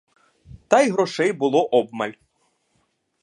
Та й грошей було обмаль.